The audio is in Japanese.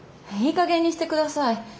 いいかげんにして下さい。